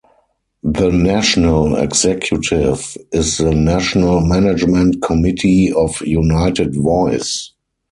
The National Executive is the national management committee of United Voice.